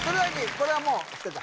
これはもう知ってた？